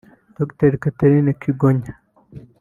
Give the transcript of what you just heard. Dr Catherine Kigonya